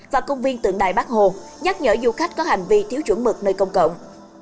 và công viên tượng đài bác hồ nhắc nhở du khách có hành vi thiếu chuẩn mực nơi công cộng